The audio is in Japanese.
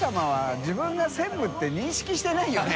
自分が専務って認識してないよね？